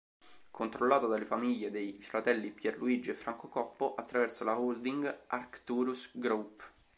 Controllata dalle famiglie dei fratelli Pierluigi e Franco Coppo attraverso la holding Arcturus Group.